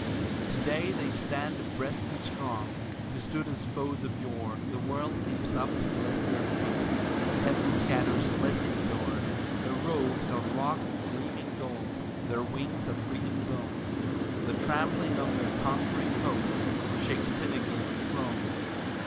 To day they stand abreast and strong, who stood as foes of yore, The world leaps up to bless their feet, heaven scatters blessings o'er; Their robes are wrought of gleaming gold, their wings are freedom's own, The trampling of their conquering hosts shakes pinnacle and throne.